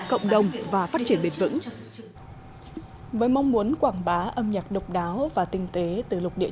cộng đồng và phát triển bền vững với mong muốn quảng bá âm nhạc độc đáo và tinh tế từ lục địa